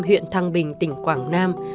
huyện thăng bình tỉnh quảng nam